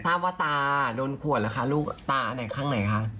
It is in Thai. ท่าว่าตาโดนขวดหรือคะลูกตาข้างในครับ